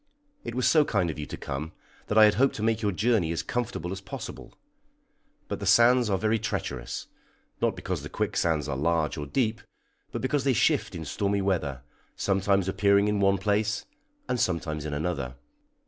It was so kind of you to come, that I had hoped to make your journey as comfortable as possible; but the sands are very treacherous, not because the quicksands are large or deep, but because they shift in stormy weather, sometimes appearing in one place, and sometimes in another.